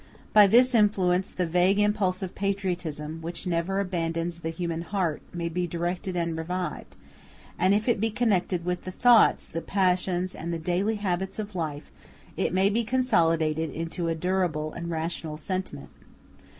By this influence the vague impulse of patriotism, which never abandons the human heart, may be directed and revived; and if it be connected with the thoughts, the passions, and the daily habits of life, it may be consolidated into a durable and rational sentiment.